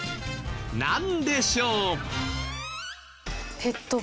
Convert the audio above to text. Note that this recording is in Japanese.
なんでしょう？